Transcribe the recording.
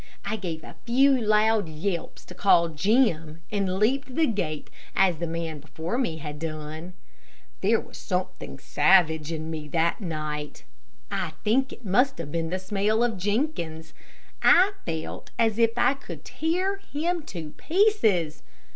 I gave a few loud yelps to call Jim, and leaped the gate as the man before me had done. There was something savage in me that night. I think it must have been the smell of Jenkins. I felt as if I could tear him to pieces.